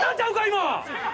今。